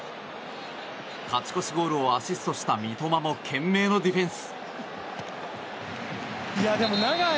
勝ち越しゴールをアシストした三笘も懸命のディフェンス。